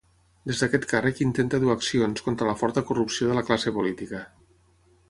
Des d'aquest càrrec intenta dur accions contra la forta corrupció de la classe política.